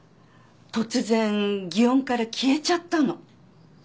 突然祇園から消えちゃったの。